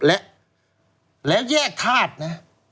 และแยกธาตุ